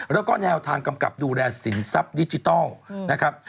แล้วก็แนวทางกำกับดูแลสินทรัพย์ดิจิทัลนะครับ